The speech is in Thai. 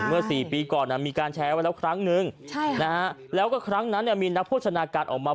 เมื่อ๔ปีก่อนมีการแชร์ไว้แล้วครั้งนึงแล้วก็ครั้งนั้นมีนักโภชนาการออกมา